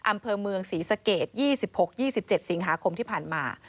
อำเภอเมืองศรีสะเกด๒๖๒๗สิงหาคมที่ผ่านมา